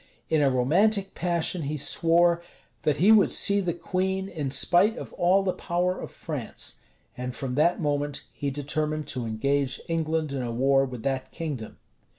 In a romantic passion he swore, "That he would see the queen, in spite of all the power of France;" and, from that moment, he determined to engage England in a war with that kingdom.